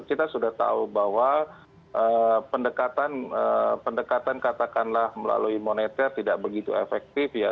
kita sudah tahu bahwa pendekatan katakanlah melalui moneter tidak begitu efektif ya